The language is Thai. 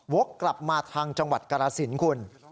กลับมาทางจังหวัดกรสินคุณ